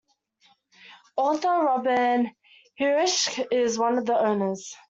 Author Robin Hirsch is one of the owners.